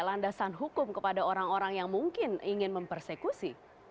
landasan hukum kepada orang orang yang mungkin ingin mempersekusi